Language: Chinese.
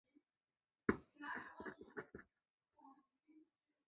东南角则有正式意大利风格的花园。